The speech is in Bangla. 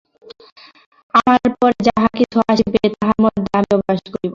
আমার পরে যাহা কিছু আসিবে, তাহার মধ্যেও আমি বাস করিব।